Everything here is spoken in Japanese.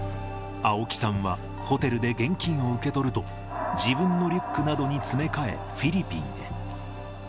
青木さんはホテルで現金を受け取ると、自分のリュックなどに詰め替え、フィリピンへ。